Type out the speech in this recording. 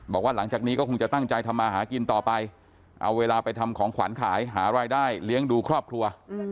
บอกว่าหลังจากนี้ก็คงจะตั้งใจทำมาหากินต่อไปเอาเวลาไปทำของขวัญขายหารายได้เลี้ยงดูครอบครัว